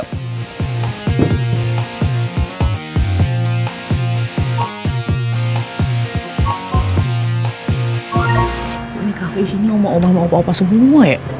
kok ini cafe ini omah omah sama opa opa semua ya